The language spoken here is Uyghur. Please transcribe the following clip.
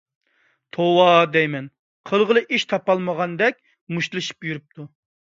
توۋا دەيمەن! قىلغىلى ئىش تاپالمىغاندەك مۇشتلىشىپ يۈرۈپتۇ.